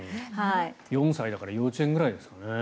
４歳だから幼稚園ぐらいですかね。